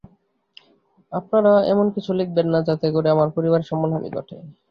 আপনারা এমন কিছু লিখবেন না, যাতে করে আমার পরিবারের সম্মানহানি ঘটে।